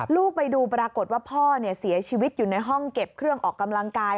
ไปดูปรากฏว่าพ่อเสียชีวิตอยู่ในห้องเก็บเครื่องออกกำลังกาย